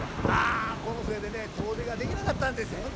あっこのせいでね遠出ができなかったんです